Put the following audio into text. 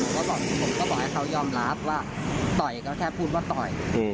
ผมก็บอกให้เขายอมรับว่าต่อยก็แค่พูดว่าต่อย